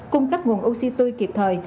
cung cấp nguồn oxy tươi kịp thời